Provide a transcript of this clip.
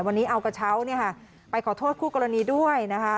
วันนี้เอากระเช้าไปขอโทษคู่กรณีด้วยนะคะ